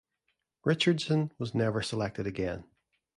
Richardson was never selected again.